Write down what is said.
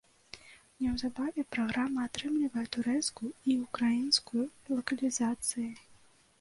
Неўзабаве праграма атрымлівае турэцкую і ўкраінскую лакалізацыі.